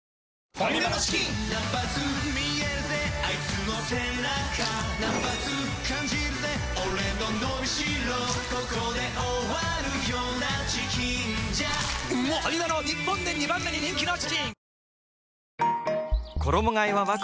ファミマの日本で２番目に人気のチキン！